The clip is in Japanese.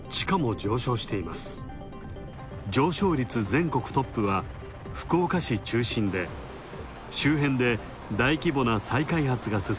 上昇率全国トップは福岡市中心で周辺で、大規模な再開発が。